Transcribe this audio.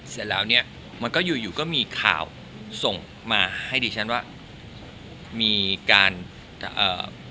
เสร็จแล้วเนี้ยมันก็อยู่อยู่ก็มีข่าวส่งมาให้ดิฉันว่ามีการเอ่อ